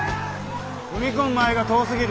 踏み込む前が遠すぎる！